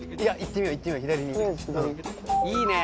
いいね。